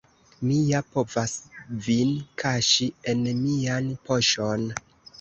Mi ja povas vin kaŝi en mian poŝon!